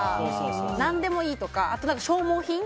何でもいいとか、あとは消耗品。